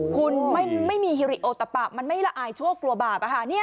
คุณไม่มีฮิริโอตะปะมันไม่ละอายชั่วกลัวบาป